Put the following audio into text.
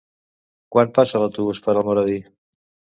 Quan passa l'autobús per Almoradí?